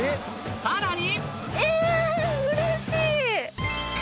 さらに！